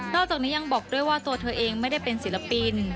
จากนี้ยังบอกด้วยว่าตัวเธอเองไม่ได้เป็นศิลปิน